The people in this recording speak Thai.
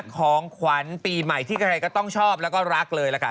ของขวัญปีใหม่ที่ใครก็ต้องชอบแล้วก็รักเลยล่ะค่ะ